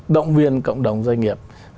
động viên cộng đồng doanh nghiệp